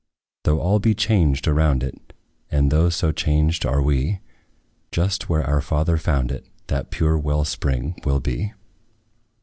Though all be changed around it, And though so changed are we, Just where our father found it, That pure well spring will be.